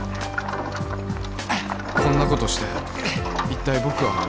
こんなことしていったい僕は